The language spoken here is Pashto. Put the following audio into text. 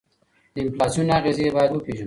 د انفلاسیون اغیزې باید وپیژنو.